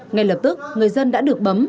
ngay lập tức người dân đã được bấm